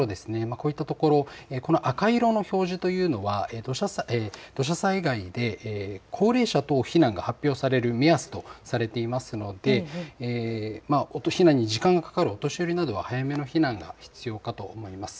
こういった所赤色の表示というのは土砂災害で高齢者等避難が発表される目安とされていますので避難に時間がかかるお年寄りなどは早めの避難が必要かと思います。